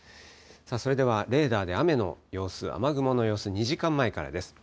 それではレーダーで雨の様子、雨雲の様子、２時間前からです。